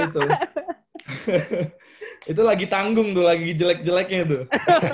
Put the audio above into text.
itu lagi tanggung tuh lagi jelek jeleknya tuh